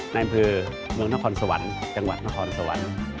อำเภอเมืองนครสวรรค์จังหวัดนครสวรรค์